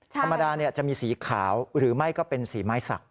ธรรมดาจะมีสีขาวหรือไม่ก็เป็นสีไม้สัก